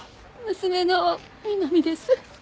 娘の美波です。